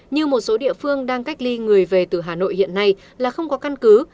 như một số địa phương đang cách ly người về từ hà nội hiện nay là không có căn cứ